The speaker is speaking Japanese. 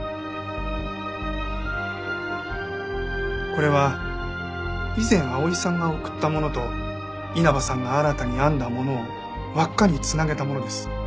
これは以前碧さんが贈ったものと稲葉さんが新たに編んだものを輪っかに繋げたものです。